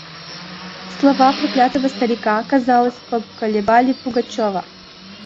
Слова проклятого старика, казалось, поколебали Пугачева.